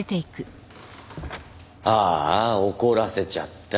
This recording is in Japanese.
あーあ怒らせちゃった。